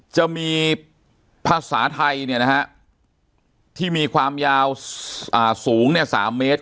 จะมีภาษาไทยเนี่ยนะฮะที่มีความยาวสูง๓เมตร